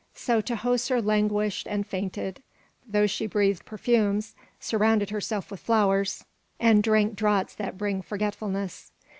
So Tahoser languished and fainted, though she breathed perfumes, surrounded herself with flowers, and drank draughts that bring forgetfulness.